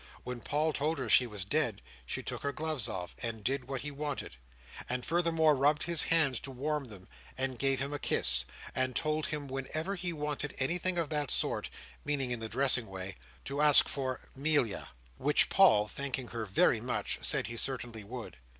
When Paul told her she was dead, she took her gloves off, and did what he wanted; and furthermore rubbed his hands to warm them; and gave him a kiss; and told him whenever he wanted anything of that sort—meaning in the dressing way—to ask for "Melia; which Paul, thanking her very much, said he certainly would.